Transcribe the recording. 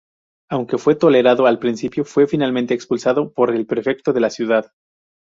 Aunque fue tolerado al principio, fue finalmente expulsado por el prefecto de la ciudad.